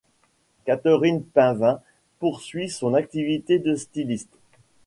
Catherine Painvin poursuit son activité de styliste.